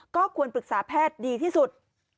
ก็ควรปรึกษาแพทย์ดีที่สุด